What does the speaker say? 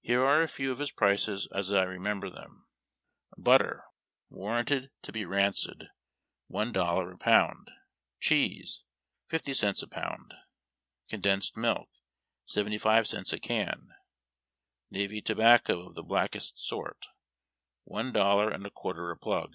Here are a few of his prices as I remember them :— Butter (warranted to be rancid), one dollar a pound; cheese, fifty cents a pound; condensed milk, seventy five cents a can ; navy tobacco, of the blackest sort, one dollar and a quarter a plug.